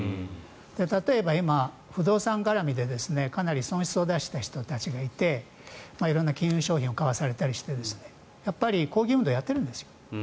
例えば今、不動産絡みでかなり損失を出した人たちがいて色んな金融商品を買わされたりしてやっぱり抗議運動をやっているんですよ。